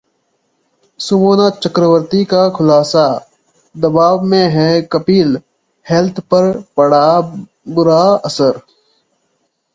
सुमोना चक्रवर्ती का खुलासा- दबाव में हैं कपिल, हेल्थ पर पड़ा बुरा असर